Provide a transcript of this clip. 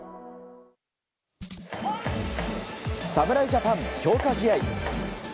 侍ジャパン、強化試合。